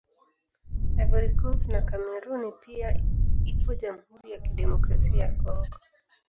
Ivory Coast na Kameruni pia ipo Jamhuri ya Kidemokrasia ya Congo